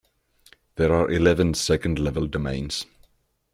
There are eleven second-level domains.